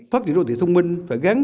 phát triển đô thị thông minh phải gắn